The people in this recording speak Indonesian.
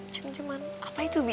cem cemannya apa itu bi